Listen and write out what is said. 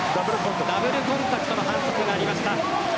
ダブルコンタクトの反則となりました。